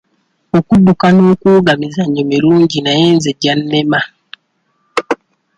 Okudduka n'okuwuga mizannyo mirungi naye nze gyannema.